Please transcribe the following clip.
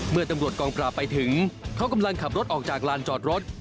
เมื่อตำรวจกองปราบไปถึงเขากำลังขับรถออกจากลานจอดรถ